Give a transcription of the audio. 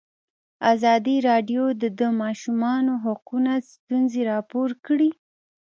ازادي راډیو د د ماشومانو حقونه ستونزې راپور کړي.